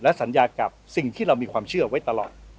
สัญญากับสิ่งที่เรามีความเชื่อไว้ตลอด